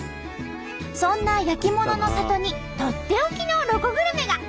そんな焼き物の里にとっておきのロコグルメが。